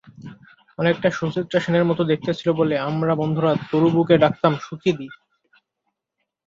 অনেকটা সুচিত্রা সেনের মতো দেখতে ছিল বলে আমরা বন্ধুরা তরুবুকে ডাকতাম সুচিদি।